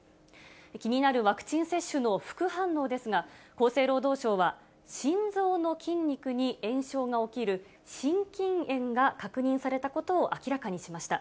気になるワクチン接種の副反応ですが、厚生労働省は、心臓の筋肉に炎症が起きる、心筋炎が確認されたことを明らかにしました。